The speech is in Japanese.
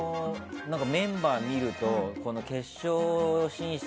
メンバーを見ると決勝進出